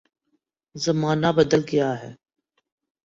زمانہ بدل گیا ہے۔